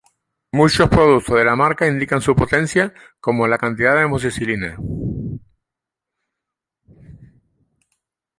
Muchos productos de marca indican sus potencias como la cantidad de amoxicilina.